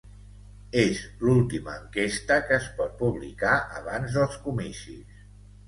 És l'última enquesta que es pot publicar abans dels comicis